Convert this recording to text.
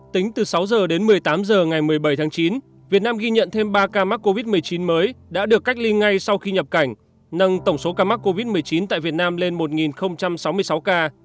tính từ sáu h đến một mươi tám h ngày một mươi bảy tháng chín việt nam ghi nhận thêm ba ca mắc covid một mươi chín mới đã được cách ly ngay sau khi nhập cảnh nâng tổng số ca mắc covid một mươi chín tại việt nam lên một sáu mươi sáu ca